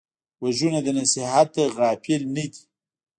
غوږونه د نصیحت نه غافل نه دي